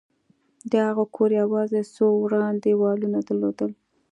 د هغه کور یوازې څو وران دېوالونه درلودل